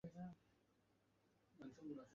তিনি দারদানেলেস অতিক্রম করে এশিয়া আসেন।